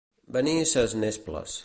Venir ses nesples.